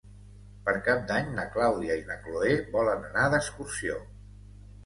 Per Cap d'Any na Clàudia i na Cloè volen anar d'excursió.